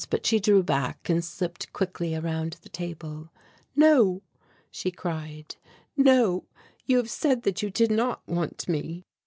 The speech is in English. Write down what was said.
But she drew back and slipped quickly around the table. "No," she cried, "no, you have said that you did not want me."